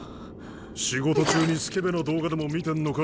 仕事中にスケベな動画でも見てんのか？